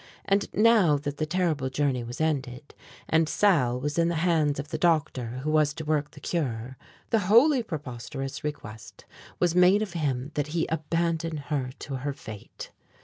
And now that the terrible journey was ended and Sal was in the hands of the doctor who was to work the cure, the wholly preposterous request was made of him that he abandon her to her fate!